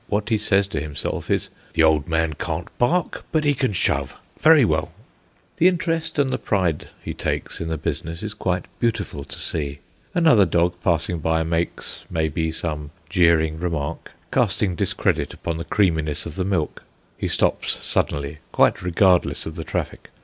What he says to himself is: "The old man can't bark, but he can shove. Very well." The interest and the pride he takes in the business is quite beautiful to see. Another dog passing by makes, maybe, some jeering remark, casting discredit upon the creaminess of the milk. He stops suddenly, quite regardless of the traffic.